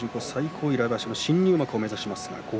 自己最高位、来場所新入幕を目指します。